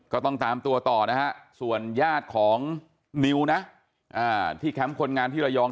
ก็ต้องตามตัวต่อนะฮะส่วนญาติของนิวนะที่แคมป์คนงานที่ระยอง